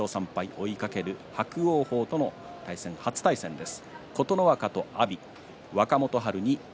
追いかける伯桜鵬との初対戦です。